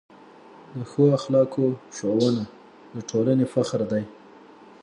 د ښو اخلاقو ښوونه د ټولنې فخر دی.